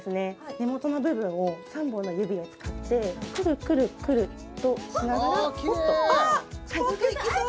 根元の部分を３本の指を使ってくるくるくるとしながらスポっとあっスポっといきそう